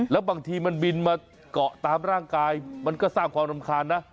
แล้วบางทีมันบินมาเกาะตามร่างกายมันก็สร้างความรำคาญนะ